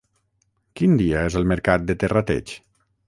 Quin dia és el mercat de Terrateig?